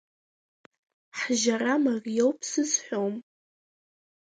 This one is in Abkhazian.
Ҳжьара мариоуп сызҳәом.